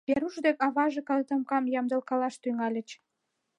Веруш ден аваже котомкам ямдылкалаш тӱҥальыч.